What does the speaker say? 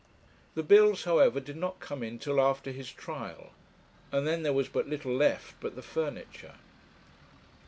The bills, however, did not come in till after his trial, and then there was but little left but the furniture.